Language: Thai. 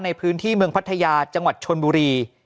ในพื้นที่เมืองพัทยาจังหวัดชนบุรี